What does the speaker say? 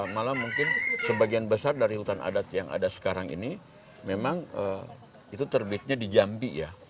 malah mungkin sebagian besar dari hutan adat yang ada sekarang ini memang itu terbitnya di jambi ya